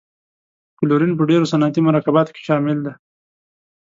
کلورین په ډیرو صنعتي مرکباتو کې شامل دی.